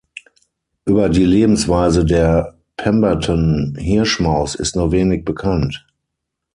Über die Lebensweise der Pemberton-Hirschmaus ist nur wenig bekannt.